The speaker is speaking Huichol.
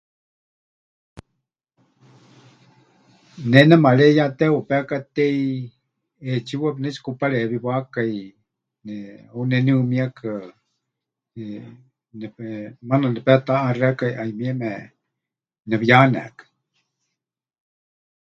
Méripai kiekátaari ʼaixɨ mepɨteʼuhukai, ʼaana tepɨtaʼiwaatákai. Hiikɨ ri paɨ mepɨkateʼuhu. Mɨpaɨ ri tepɨkayɨa hiikɨ. Paɨ xeikɨ́a.